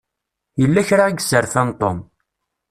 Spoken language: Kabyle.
Yella kra i yesserfan Tom.